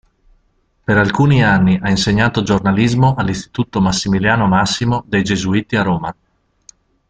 Per alcuni anni ha insegnato giornalismo all'Istituto Massimiliano Massimo dei Gesuiti a Roma.